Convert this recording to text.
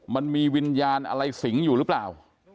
มันมีวิญญาณอะไรสิงอยู่หรือเปล่า